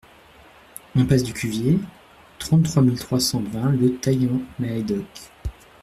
Impasse du Cuvier, trente-trois mille trois cent vingt Le Taillan-Médoc